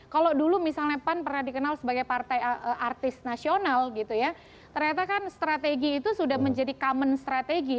kalau dulu misalnya pan pernah dikenal sebagai partai artis nasional gitu ya ternyata kan strategi itu sudah menjadi common strategy